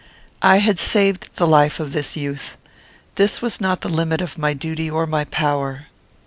I had saved the life of this youth. This was not the limit of my duty or my power.